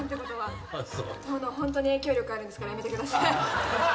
殿ホントに影響力あるんですからやめてください。